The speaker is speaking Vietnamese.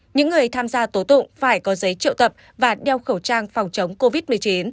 những người tham gia tố tụng phải có giấy triệu tập và đeo khẩu trang phòng chống covid một mươi chín